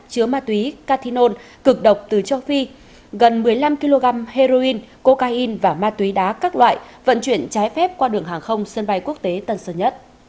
chứa ma túy cathinol cực độc từ châu phi gần một mươi năm kg heroin cocaine và ma túy đá các loại vận chuyển trái phép qua đường hàng không sân bay quốc tế tân sơn nhất